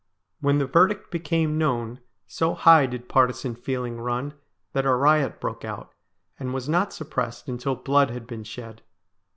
When the verdict became known so high did partisan feeling run that a riot broke out, and was not suppressed until blood had been shed.